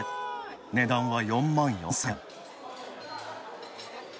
値段は４万４０００円。